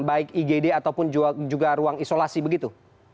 baik igd ataupun juga ruang isolasi begitu